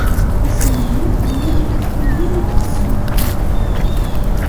Isem-nni llan waktayen i d-yessuki.